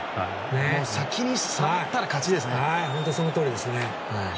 先に触ったら勝ちですね。